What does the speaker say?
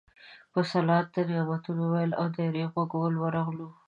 په صلوات، نعتونو ویلو او دایره غږولو ورغلو.